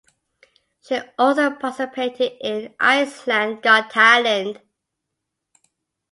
She also participated in Iceland Got Talent.